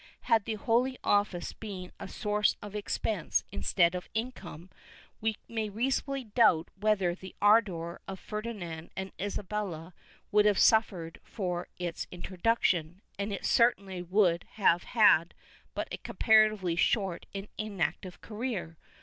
Had the Holy Office been a source of expense instead of income, we may reasonably doubt whether the ardor of Ferdinand and Isa bella would have sufficed for its introduction, and it certainly would have had but a comparatively short and inactive career.